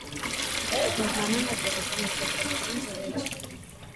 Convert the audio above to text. Կը բազմանան աճողական արտադրողական ձեւերով։